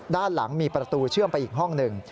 ด้านหลังมีประตูเชื่อมไปอีกห้องหนึ่ง